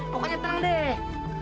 pokoknya tenang deh